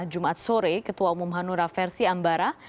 jumat sore ketua umum hanura versi ambara